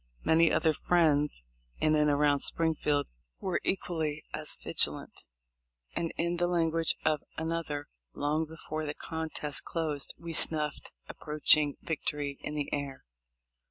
Many other friends in and around Springfield were equally as vigilant, and, in the language of another, "long before the contest closed we snuffed approaching victory in the air."